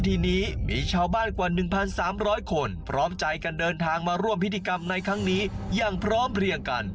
ทีนี้มีชาวบ้านกว่า๑๓๐๐คนพร้อมใจกันเดินทางมาร่วมพิธีกรรมในครั้งนี้อย่างพร้อมเพลียงกัน